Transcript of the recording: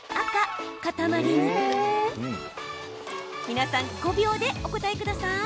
皆さん、５秒でお答えください。